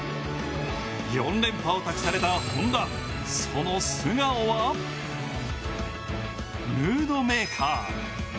４連覇を託された本多、その素顔はムードメーカー。